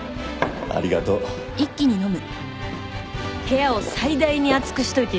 ありがとう部屋を最大に暑くしといてよかった。